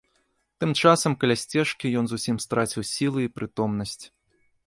Тым часам каля сцежкі ён зусім страціў сілы і прытомнасць.